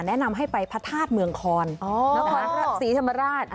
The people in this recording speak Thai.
แนะนำให้ไปพระธาตุเมืองคลสีธรรมราช